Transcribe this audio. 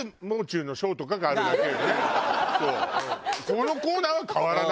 このコーナーは変わらないわよ。